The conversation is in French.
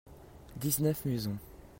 dix-neuf maisons.